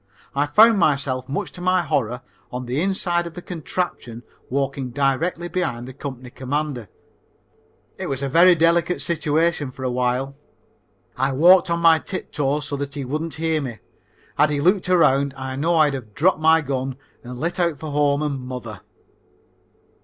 I found myself, much to my horror, on the inside of the contraption walking directly behind the company commander. It was a very delicate situation for a while. I walked on my tip toes so that he wouldn't hear me. Had he looked around I know I'd have dropped my gun and lit out for home and mother.